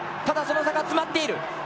その差が詰まっている。